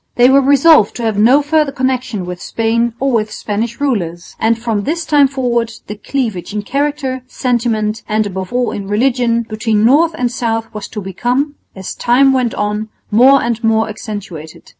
They were resolved to have no further connection with Spain or with Spanish rulers, and from this time forward the cleavage in character, sentiment, and above all in religion, between north and south was to become, as time went on, more and more accentuated.